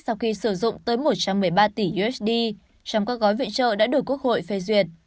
sau khi sử dụng tới một trăm một mươi ba tỷ usd trong các gói viện trợ đã được quốc hội phê duyệt